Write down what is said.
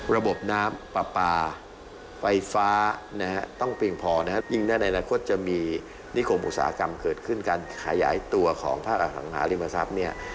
ระบบน้ำปลาปลาไฟฟ้านะฮะต้องเพียงพอนะครับยิ่งในอนาคตจะมีนิคมอุตสาหกรรมเกิดขึ้นการขยายตัวของภาคอสังหาริมทรัพย์เนี่ย